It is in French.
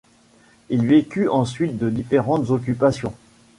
Il vécut ensuite de différentes occupations.